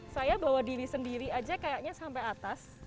saya bawa diri sendiri aja kayaknya sampai atas